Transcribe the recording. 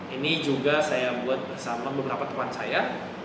ini juga saya buat bersama beberapa teman saya